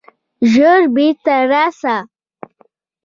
ژر بیرته راسه!